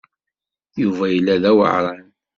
Yuba yella d aweɛṛan.